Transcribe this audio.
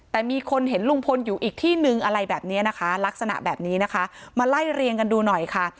แต่มีคนเห็นลุงพลอยู่อีกที่นึงอะไรแบบนี้นะคะลักษณะแบบนี้นะคะมาไล่เรียงกันดูหน่อยค่ะ